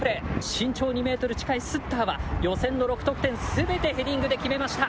身長２メートル近いスッターは、予選の６得点すべてヘディングで決めました。